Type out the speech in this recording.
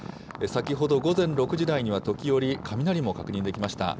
先ほど午前６時台には時折、雷も確認できました。